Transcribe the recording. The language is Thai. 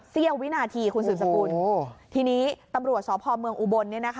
เซียววินาทีคุณศึกสกุลทีนี้ตำรวจสอบภอมเมืองอุบล